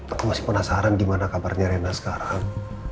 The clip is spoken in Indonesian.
aku masih penasaran gimana kabarnya reina sekarang